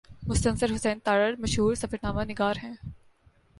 مستنصر حسین تارڑ مشہور سفرنامہ نگار ہیں